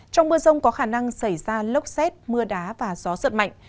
trong mưa rông có khả năng xảy ra lốc xét mưa đá và gió giật mạnh